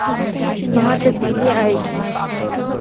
یہاں تبدیلی آئے گی۔